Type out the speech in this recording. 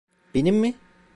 Benim mi?